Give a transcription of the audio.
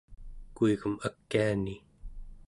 kuigem akiani